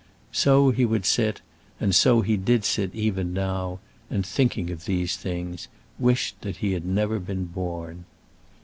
So he would sit; and so he did sit even now, and, thinking of these things, wished that he had never been born.